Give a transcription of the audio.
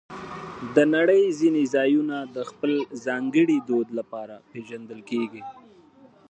د نړۍ ځینې ځایونه د خپل ځانګړي دود لپاره پېژندل کېږي.